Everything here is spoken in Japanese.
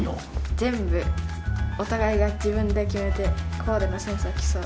全部お互いが自分で決めてコーデのセンスを競う。